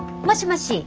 もしもし？